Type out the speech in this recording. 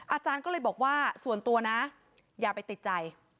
อาจารย์ก็เลยบอกว่าส่วนตัวนะอย่าไปติดใจ